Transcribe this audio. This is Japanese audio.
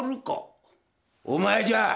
お前じゃ！